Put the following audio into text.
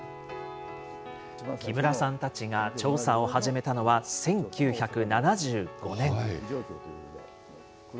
木村さんたちが調査を始めたのは１９７５年。